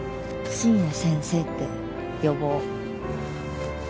深夜先生って呼ぼう。